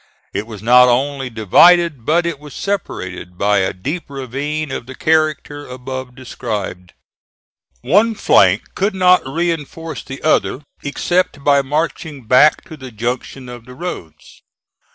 It was not only divided, but it was separated by a deep ravine of the character above described. One flank could not reinforce the other except by marching back to the junction of the roads.